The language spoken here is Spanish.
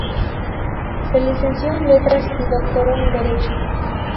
Se licenció en Letras y doctoró en Derecho.